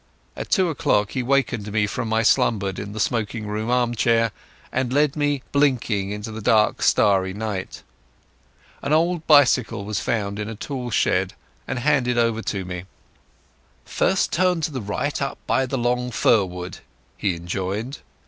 At two o'clock he wakened me from my slumbers in the smoking room armchair, and led me blinking into the dark starry night. An old bicycle was found in a tool shed and handed over to me. "First turn to the right up by the long fir wood," he enjoined.